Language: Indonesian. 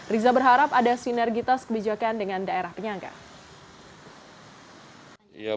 riza berharap ada sinergitas kebijakan dengan daerah penyangga